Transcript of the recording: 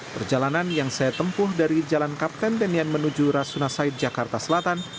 perjalanan yang saya tempuh dari jalan kapten denian menuju rasunasai jakarta selatan